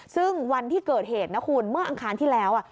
ซึ่งวันที่เกิดเหตุนะคุณเมื่ออังคารที่แล้ว